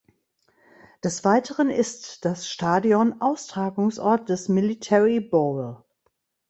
Des Weiteren ist das Stadion Austragungsort des Military Bowl.